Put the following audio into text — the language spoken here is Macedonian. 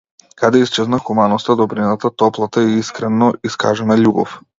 Каде исчезна хуманоста, добрината, топлата и искрено искажана љубов?